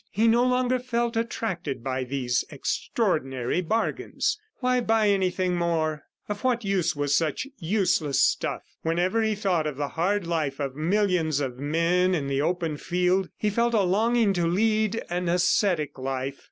He no longer felt attracted by these extraordinary bargains. Why buy anything more? ... Of what use was such useless stuff? Whenever he thought of the hard life of millions of men in the open field, he felt a longing to lead an ascetic life.